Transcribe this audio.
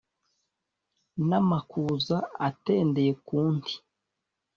n’amakuza atendeye ku nti